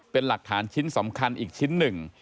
เป็นหลักฐานชิ้นสำคัญอีกชิ้นหนึ่ง